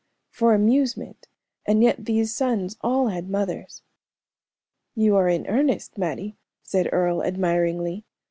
For amusement, and yet these sons all had mothers." "You are in earnest, Mattie," said Earle, admiringly.